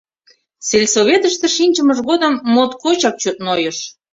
Сельсоветыште шинчымыж годым моткочак чот нойыш.